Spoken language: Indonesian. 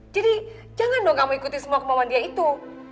jadi jangan dong kamu ikuti semua kemauan dia itu